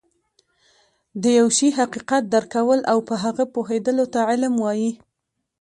د يوه شي حقيقت درک کول او په هغه پوهيدلو ته علم وایي